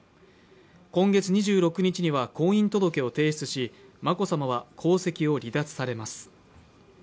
今月２６日には婚姻届を提出し、眞子さまは皇籍を離脱されます。